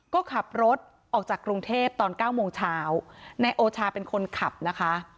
ก็ขับรถออกจากกรุงเทพตอนเก้าโมงเช้านายโอชาเป็นคนขับนะคะ